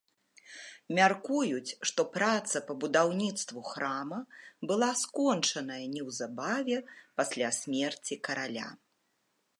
Мяркуюць, што праца па будаўніцтву храма была скончаная неўзабаве пасля смерці караля.